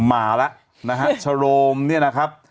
มาละนะฮะโฉรมเนี้ยนะครับ